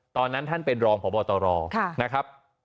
ตอนนั้นท่านเป็นรองพบตรนะครับ